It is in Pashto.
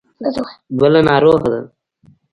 بله ناروغه ده.